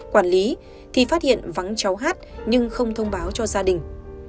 quản lý thì phát hiện vắng cháu hát nhưng không thông báo cho gia đình